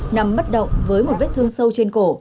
nằm bất động với một vết thương sâu trên cổ